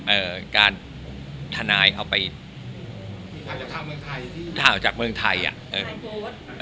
เอ่อการทนายเอาไปถ่ายออกจากเมืองไทยถ่ายออกจากเมืองไทยอ่ะเออ